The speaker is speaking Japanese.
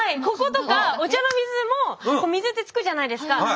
こことかお茶の水も水って付くじゃないですか。